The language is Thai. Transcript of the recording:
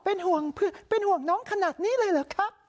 เป็นห่วงเป็นห่วงน้องขนาดนี้เลยเหรอครับ